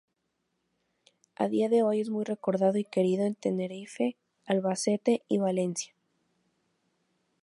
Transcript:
A día de hoy es muy recordado y querido en Tenerife, Albacete y Valencia.